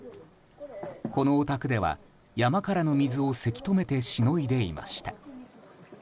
このお宅では山からの水をせき止めてしのいでいました。